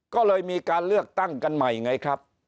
ก็เลยมีการเลือกตั้งกันใหม่ไงครับ